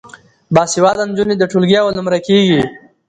باسواده نجونې د ټولګي اول نمره کیږي.